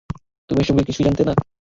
তুমি এসবের কিছুই জানতে না?